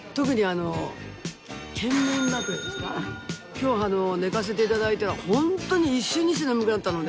今日寝かせて頂いたらホントに一瞬にして眠くなったので。